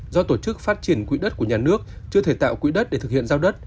do tổ chức phát triển quỹ đất của nhà nước chưa thể tạo quỹ đất để thực hiện giao đất